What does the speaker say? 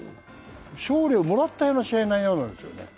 勝利をもらったような試合内容なんですよね。